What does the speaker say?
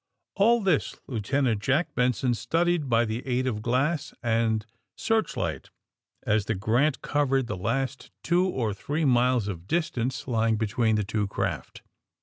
All this Lieutenant Jack Benson studied by the aid of glass and searchlight as the ^^ Grant" covered the last two or three miles of distance lying between the two craft.